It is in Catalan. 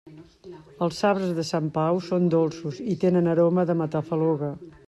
Els sabres de Sant Pau són dolços i tenen aroma de matafaluga.